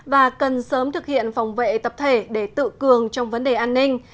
và cần sớm thực hiện phòng vệ tập thể để tự cường trong vấn đề an ninh